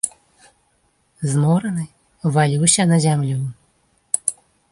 Змораны валюся на зямлю.